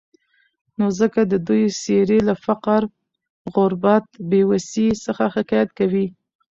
نو ځکه د دوي څېرې له فقر، غربت ، بېوسي، څخه حکايت کوي.